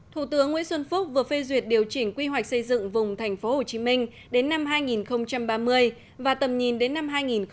thủ tướng nguyễn xuân phúc vừa phê duyệt điều chỉnh quy hoạch xây dựng vùng tp hcm đến năm hai nghìn ba mươi và tầm nhìn đến năm hai nghìn bốn mươi